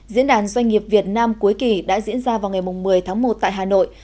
diễn đàn doanh nghiệp việt nam cuối kỳ đã diễn ra vào ngày một mươi tháng một tại hà nội